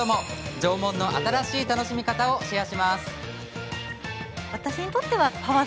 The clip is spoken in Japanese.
縄文の新しい楽しみ方をシェアします。